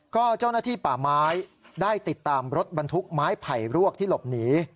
ก็เจ้าหน้าที่ป่าไม้ได้ติดตามรถบรรทุกไม้ไผ่รวกที่หลบหนี